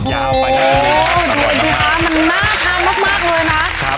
อยากไปงั้นดีกว่ามันน่าท้ามนึกมากเลยนะครับ